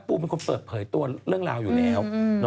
ปูเป็นคนเปิดเผยตัวเรื่องราวอยู่แล้ว